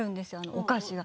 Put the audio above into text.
お菓子が。